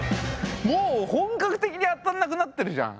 もう本格的に当たんなくなってるじゃん。